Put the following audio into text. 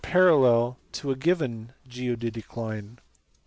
467 parallel to a given geodetic line.